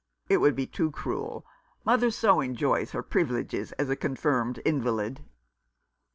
It would be too cruel! Mother so enjoys her privileges as a confirmed invalid."